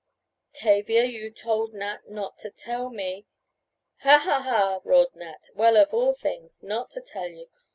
"Tavia, you told Nat not to tell me " "Ha! ha! ha!" roared Nat. "Well, of all things. Not to tell you.